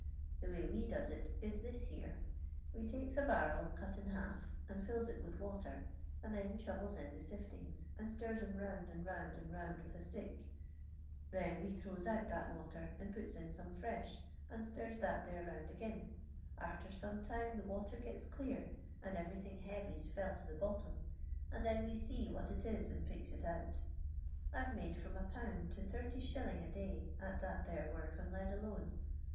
The way we does it is this here : we takes a barrel cut in half, and fills it with water, and then we shovels in the sifUngs, and stirs 'em round and round and round with a stick ; then we throws out that water and puts in some fresh, and stira that there round ag'in ; arter some time the water gets clear, and every thing heavy 's fell to the bot tom, and then we sees what it is and picks it out I 've made from a pound to thirty shilling a day, at that there work on lead alone.